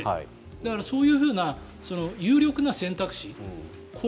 だから、そういう有力な選択肢